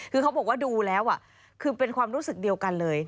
คือเขาบอกว่าดูแล้วคือเป็นความรู้สึกเดียวกันเลย